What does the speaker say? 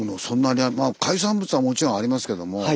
そんなにまあ海産物はもちろんありますけども。